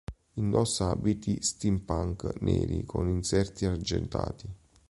Indossa abiti steampunk neri con inserti argentati.